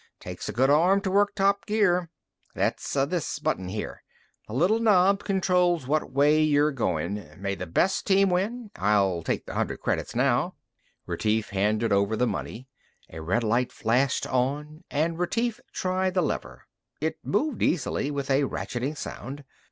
Takes a good arm to work top gear. That's this button here. The little knob controls what way you're goin'. May the best team win. I'll take the hundred credits now." Retief handed over the money. A red light flashed on, and Retief tried the lever. It moved easily, with a ratcheting sound.